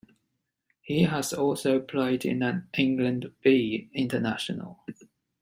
He has also played in an England B international.